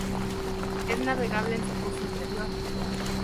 Es navegable en su curso inferior.